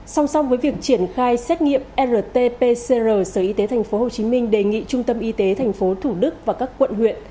song song với việc triển khai xét nghiệm rt pcr sở y tế tp hcm đề nghị trung tâm y tế tp thủ đức và các quận huyện